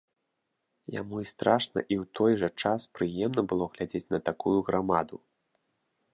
Яму і страшна і ў той жа час прыемна было глядзець на такую грамаду.